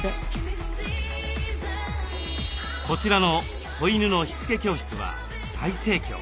こちらの子犬のしつけ教室は大盛況。